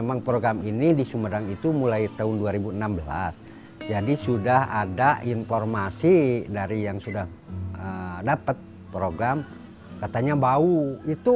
alhamdulillah tidak ada bau sama sekali